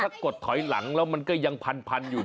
ถ้ากดถอยหลังแล้วมันก็ยังพันอยู่